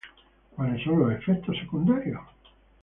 ¿Cuáles son los efectos secundarios?